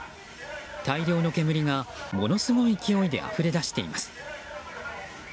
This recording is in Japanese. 大量の煙がものすごい勢いであふれ出しています。